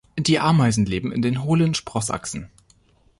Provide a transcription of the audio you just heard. Die Ameisen leben in den hohlen Sprossachsen.